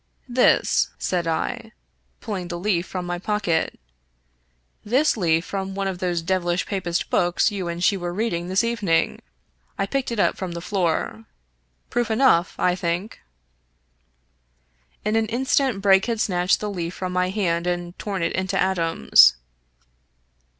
" This," said I, pulling the leaf from my pocket —*' this leaf from one of those devilish Papist books you and she were reading this evening. I picked it up from the floor. Proof enough, I think !" In an instant Brake had snatched the leaf from my hand and torn it into atoms.